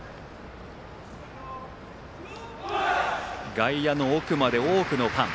外野の奥まで多くのファン。